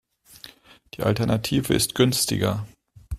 Die Alternative ist günstiger.